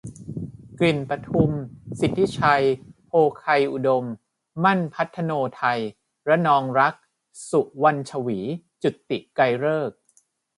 กลิ่นประทุม สิทธิชัย โภไคยอุดม มั่น พัธโนทัย ระนองรักษ์ สุวรรณฉวี จุติ ไกรฤกษ์